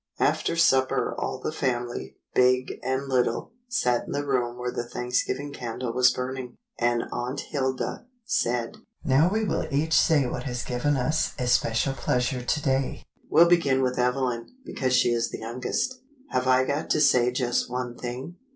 After supper all the family, big and little, sat in the room where the Thanksgiving candle was burning, and Aunt Hilda said :— "Now we will each say what has given us especial pleasure to day. We'll begin with Evelyn, because she is the youngest." "Have I got to say just one thing.